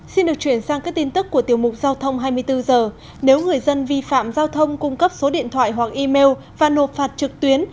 xin được chuyển sang các tin tức của tiểu mục giao thông hai mươi bốn h nếu người dân vi phạm giao thông cung cấp số điện thoại hoặc email và nộp phạt trực tuyến